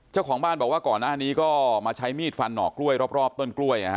เจ้าของบ้านบอกว่าก่อนหน้านี้ก็มาใช้มีดฟันหนอกกล้วยรอบต้นกล้วย